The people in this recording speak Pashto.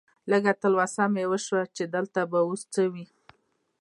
لږه تلوسه مې شوه چې دلته به اوس څه وي.